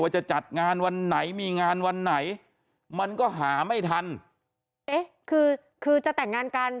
จะจัดงานวันไหนมีงานวันไหนมันก็หาไม่ทันเอ๊ะคือคือจะแต่งงานกัน